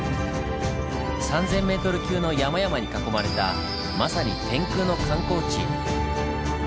３０００ｍ級の山々に囲まれたまさに天空の観光地。